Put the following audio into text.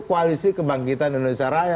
koalisi kebangkitan indonesia raya